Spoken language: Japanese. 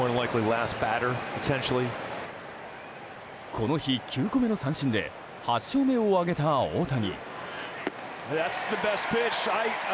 この日、９個目の三振で８勝目を挙げた大谷。